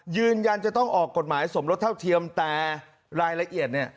ยืนยันจะต้องออกกฎหมายสมรสเท่าเทียมแต่รายละเอียดเนี่ย